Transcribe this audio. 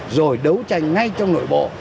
rồi đấu tranh ngay trong nội bộ